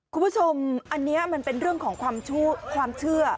คุณผู้ชมอันนี้มันเป็นเรื่องของความเชื่อ